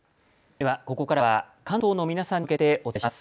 では、ここからは関東の皆さんに向けてお伝えします。